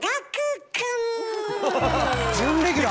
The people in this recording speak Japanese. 準レギュラー？